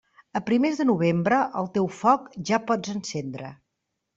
A primers de novembre, el teu foc ja pots encendre.